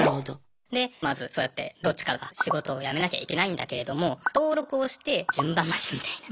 でまずそうやってどっちかが仕事を辞めなきゃいけないんだけれども登録をして順番待ちみたいな。